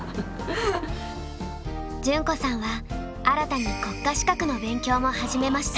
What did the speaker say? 淳子さんは新たに国家資格の勉強も始めました。